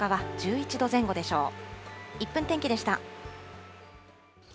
１分天気でした。